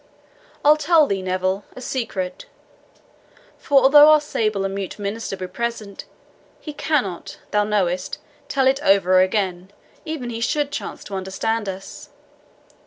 I'll tell thee, Neville, a secret; for although our sable and mute minister be present, he cannot, thou knowest, tell it over again, even if he should chance to understand us.